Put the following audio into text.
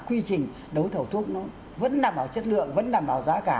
quy trình đấu thầu thuốc nó vẫn nằm vào chất lượng vẫn nằm vào giá cả